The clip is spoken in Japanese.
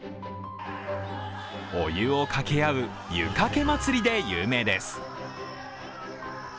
お湯をかけ合う湯かけ祭りで有名です。